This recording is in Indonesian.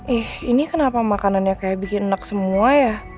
eh ini kenapa makanannya kayak bikin enak semua ya